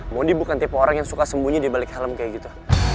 mondi bukan tipe orang yang suka sembunyi di balik helm kayak gitu